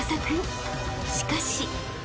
しかし］